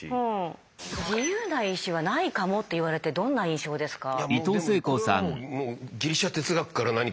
自由な意志はないかもと言われてどんな印象ですか？